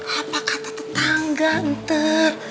apa kata tetangga entar